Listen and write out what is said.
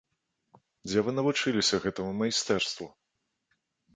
Дзе вы навучыліся гэтаму майстэрству?